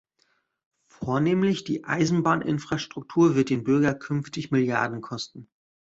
Vornehmlich die Eisenbahninfrastruktur wird den Bürger künftig Milliarden kosten.